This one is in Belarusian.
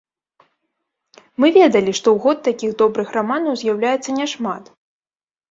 Мы ведалі, што ў год такіх добрых раманаў з'яўляецца няшмат.